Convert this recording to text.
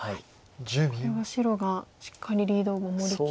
これは白がしっかりリードを守りきった。